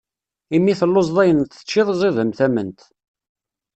Imi telluẓeḍ ayen teččiḍ ẓid am tamment.